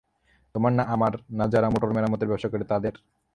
তোমার না আমার, না যারা মোটর-মেরামতের ব্যবসা করে তাদের?